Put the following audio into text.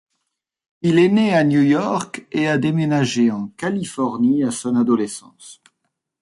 Il est né à New York et a déménagé en Californie à son adolescence.